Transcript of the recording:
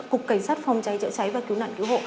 cục cảnh sát phòng cháy chữa cháy và cứu nạn cứu hộ